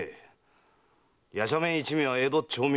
夜叉面一味は江戸町民の敵だ。